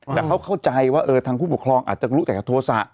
แต่เขาเข้าใจว่าทางผู้ปกครองอาจจะรู้แต่โทษะ